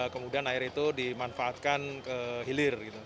kemudian air itu dimanfaatkan ke hilir